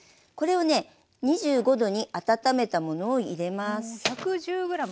これをね２５℃に温めたものを入れます。